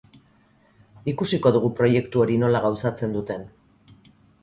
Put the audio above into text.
Ikusiko dugu proiektu hori nola gauzatzen duten.